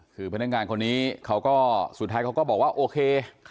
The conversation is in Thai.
คือพนักงานคนนี้เขาก็สุดท้ายเขาก็บอกว่าโอเค